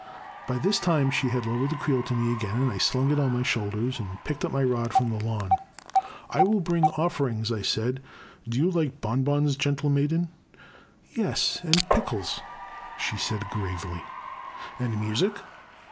By this time she had lowered the creel to me again and I slung it on my shoulders and picked up my rod from the lawn. '* I will bring oflFerings, I said, '* do you like bon bons, gentle maiden ?' Yes, and pickles, she said gravely. " And music?